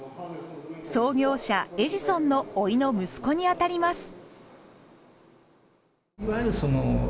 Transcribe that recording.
創業者エジソンのおいの息子にあたります。